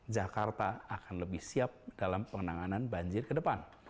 jakarta akan lebih siap dalam penanganan banjir ke depan